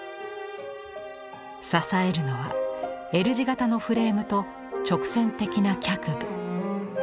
支えるのはＬ字形のフレームと直線的な脚部。